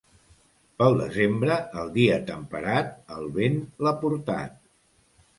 Pel desembre, el dia temperat, el vent l'ha portat.